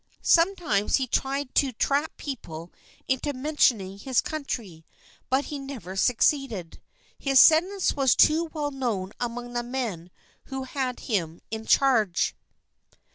Sometimes he tried to trap people into mentioning his country, but he never succeeded; his sentence was too well known among the men who had him in charge.